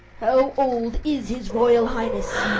"How old is his Royal Highness?"